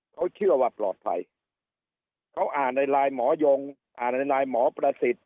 เขาเชื่อว่าปลอดภัยเขาอ่านในไลน์หมอยงอ่านในนายหมอประสิทธิ์